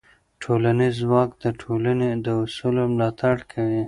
ټولنیز ځواک د ټولنې د اصولو ملاتړ کوي.